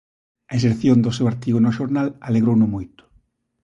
A inserción do seu artigo no xornal alegrouno moito.